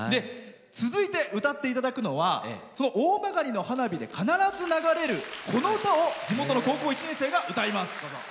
続いて歌っていただくのは大曲の花火で必ず流れるこの歌を地元の高校１年生が歌います。